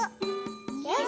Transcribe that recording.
よし！